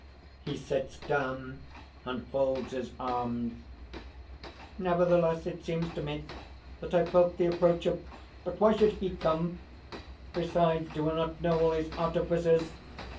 (He sits down and folds his arms.) "Nevertheless ... it seems to me that I felt the approach of.... But why should He come? Besides, do I not know all his artifices?